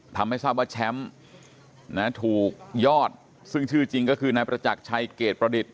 ทำให้ทราบว่าแชมป์ถูกยอดซึ่งชื่อจริงก็คือนายประจักรชัยเกรดประดิษฐ